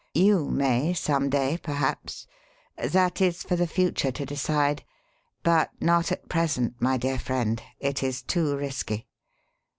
You may, some day, perhaps that is for the future to decide; but not at present, my dear friend; it is too risky."